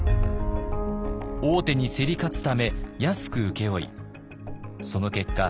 大手に競り勝つため安く請け負いその結果